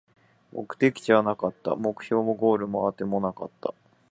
目的地はなかった、目標もゴールもあてもなかった